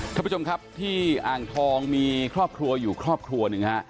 ท่านผู้ชมครับที่อ่างทองมีครอบครัวอยู่ครอบครัวหนึ่งฮะ